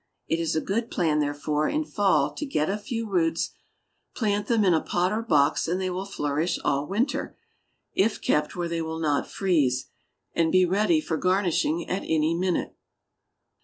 It is a good plan, therefore, in fall, to get a few roots, plant them in a pot or box, and they will flourish all winter, if kept where they will not freeze, and be ready for garnishing at any minute.